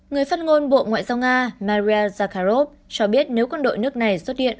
người phát ngôn bộ ngoại giao nga maria zakharov cho biết nếu quân đội nước này xuất hiện